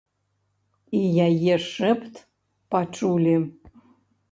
І яе шэпт пачулі.